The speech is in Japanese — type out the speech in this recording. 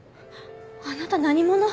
あなた何者？